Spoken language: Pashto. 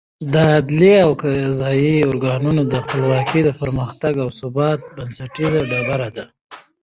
د عدلي او قضايي ارګانونو خپلواکي د پرمختګ او ثبات بنسټیزه ډبره ده.